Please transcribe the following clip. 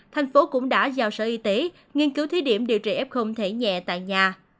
thành phố cũng đã giao sở y tế nghiên cứu thí điểm điều trị f thể nhẹ tại nhà